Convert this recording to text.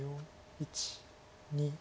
１２。